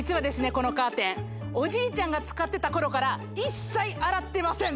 このカーテンおじいちゃんが使ってた頃から一切洗ってません